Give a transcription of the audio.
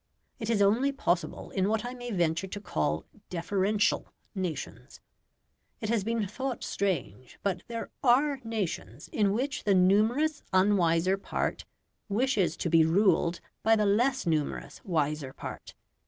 It is only possible in what I may venture to call DEFERENTIAL nations. It has been thought strange, but there ARE nations in which the numerous unwiser part wishes to be ruled by the less numerous wiser part.